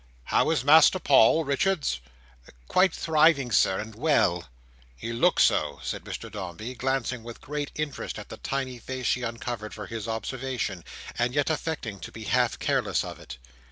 "How is Master Paul, Richards?" "Quite thriving, Sir, and well." "He looks so," said Mr Dombey, glancing with great interest at the tiny face she uncovered for his observation, and yet affecting to be half careless of it.